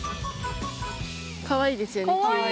かわいいですよね。